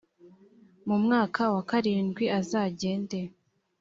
mu mwaka wa karindwi azagende